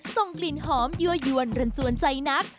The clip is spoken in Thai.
ส่งกลิ่นหอมยั่วยวนรันจวนใจนัก